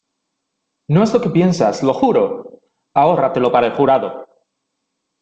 ¡ No es lo que piensas, lo juro! ¡ ahórratelo para el jurado !